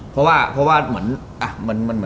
เพราะว่าเหมือน